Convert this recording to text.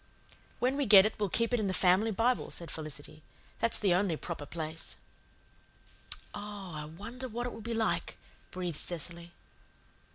"When we get it we'll keep it in the family Bible," said Felicity. "That's the only proper place." "Oh, I wonder what it will be like," breathed Cecily.